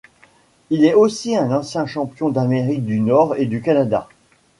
Il est aussi un ancien champion d'Amérique du Nord et du Canada.